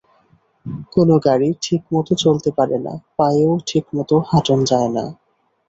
কোনো গাড়ি ঠিকমতো চলতে পারে না, পায়েও ঠিকমতো হাঁটন যায় না।